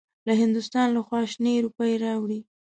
له هندوستان لخوا شنې روپۍ راوړې.